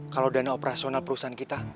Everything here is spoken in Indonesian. kalau dana operasional perusahaan kita